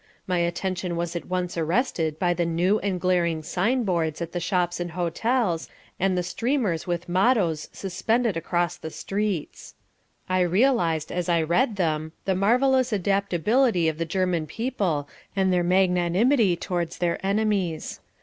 My attention was at once arrested by the new and glaring signboards at the shops and hotels, and the streamers with mottos suspended across the streets. I realised as I read them the marvellous adaptability of the German people and their magnanimity towards their enemies.